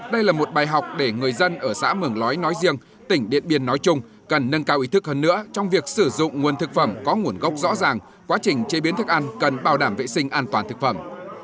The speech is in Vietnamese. đây là một bài học để người dân ở xã mường lói nói riêng tỉnh điện biên nói chung cần nâng cao ý thức hơn nữa trong việc sử dụng nguồn thực phẩm có nguồn gốc rõ ràng quá trình chế biến thức ăn cần bảo đảm vệ sinh an toàn thực phẩm